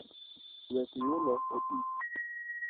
Wek yulo etich